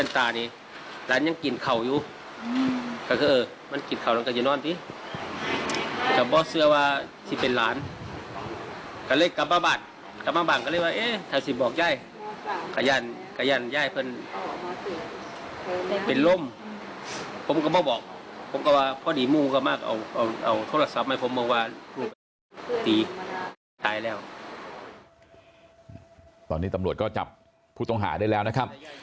ตอนนี้ตำรวจก็จับผู้ต้องหาได้แล้วนะครับ